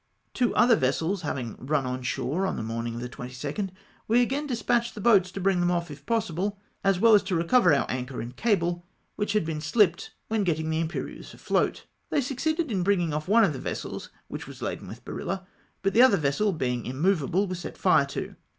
Two other vessels having run on shore on the morn ing of the 22nd, we again despatched the boats to bring them off if possible, as well as to recover our anchor and cable, which had been shpped when getting the Impe rieuse afloat. They succeeded in bringing off one of the vessels which was laden with barilla, but the other vessel, being immovable, was set fire to.